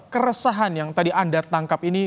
keresahan yang tadi anda tangkap ini